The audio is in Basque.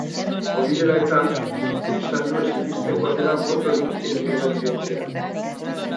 Hori dela eta, esan du ezinbestekoa dela botorik ez geratzea etxean.